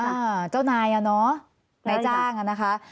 อ่าเจ้านายอ่ะเนอะนายจ้างอ่ะนะคะ